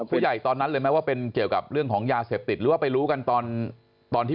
ตอนนั้นเลยไหมว่าเป็นเกี่ยวกับเรื่องของยาเสพติดหรือว่าไปรู้กันตอนที่